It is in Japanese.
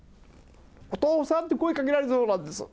お父さんって、声かけられそうなんです。